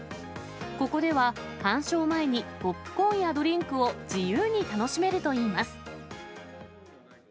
ここでは、鑑賞前にポップコーンやドリンクを自由に楽しめるといいます。